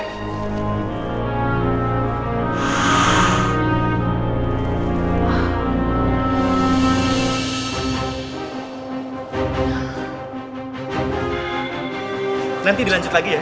nanti dilanjut lagi ya